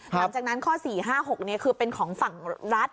หลังจากนั้นข้อ๔๕๖นี้คือเป็นของฝั่งรัฐ